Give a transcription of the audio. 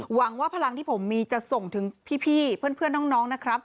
หวังว่าพลังที่ผมมีจะส่งถึงพี่เพื่อนน้องนะครับ